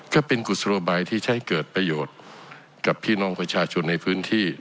ก็เป็นกุศโลบายที่ใช้เกิดประโยชน์กับพี่น้องประชาชนในพื้นที่